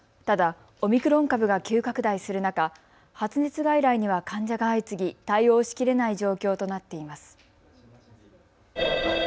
ただオミクロン株が急拡大する中、発熱外来には患者が相次ぎ対応しきれない状況となっています。